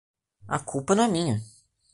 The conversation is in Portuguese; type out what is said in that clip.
A culpa não é minha.